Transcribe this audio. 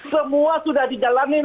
semua sudah dijalankan